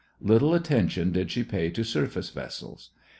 Little attention did she pay to surface vessels.